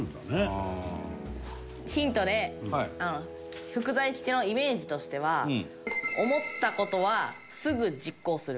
ヒントで福沢諭吉のイメージとしては思った事はすぐ実行する。